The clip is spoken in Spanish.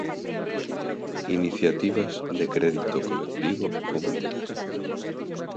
iniciativas de crédito colectivo o comunitario